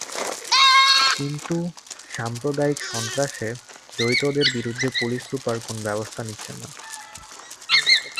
কিন্তু সাম্প্রদায়িক সন্ত্রাসে জড়িতদের বিরুদ্ধে পুলিশ সুপার কোনো ব্যবস্থা নিচ্ছেন না।